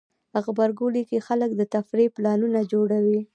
غبرګولی کې خلک د تفریح پلانونه جوړوي.